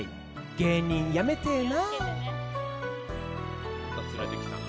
「芸人やめてぇな」